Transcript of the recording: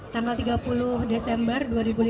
tanggal tiga puluh desember dua ribu lima belas